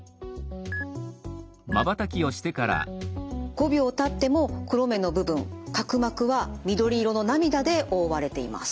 ５秒たっても黒目の部分角膜は緑色の涙で覆われています。